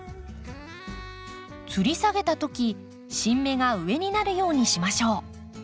つり下げた時新芽が上になるようにしましょう。